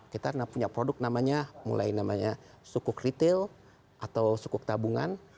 kita punya produk namanya mulai namanya sukuk retail atau sukuk tabungan